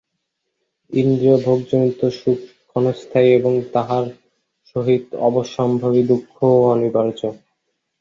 ইন্দ্রিয়ভোগজনিত সুখ ক্ষণস্থায়ী ও তাহার সহিত অবশ্যম্ভাবী দুঃখও অনিবার্য।